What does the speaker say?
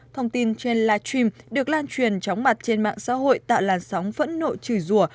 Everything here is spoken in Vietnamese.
thông tin trên live stream được lan truyền chóng mặt trên mạng xã hội tạo làn sóng phẫn nộ trừ rùa